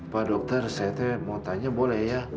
pak dokter saya mau tanya boleh ya